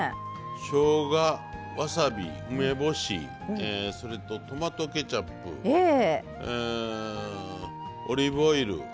しょうがわさび梅干しそれとトマトケチャップオリーブオイル。